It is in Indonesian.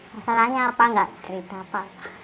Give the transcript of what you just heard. masalahnya apa enggak cerita apa